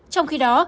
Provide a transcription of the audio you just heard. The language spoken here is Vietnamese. trong khi đó